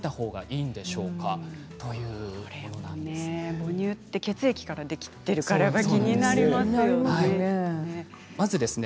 母乳って血液からできているから気になりますよね。